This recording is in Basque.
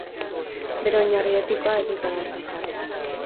Bere oinarri etikoa ez du zalantzan jarri.